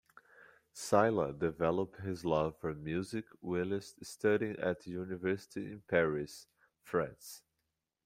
Sylla developed his love for music whilst studying at a university in Paris, France.